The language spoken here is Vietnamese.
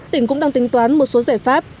tỉnh cũng đang tính toán một số giải pháp